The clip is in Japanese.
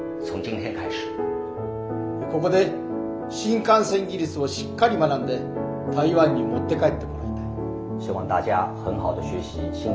ここで新幹線技術をしっかり学んで台湾に持って帰ってもらいたい。